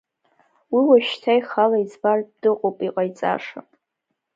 Уи уажәшьҭа ихала иӡбартә дыҟоуп иҟаиҵаша.